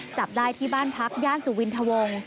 จับได้ที่บ้านพักย่านสุวินทวง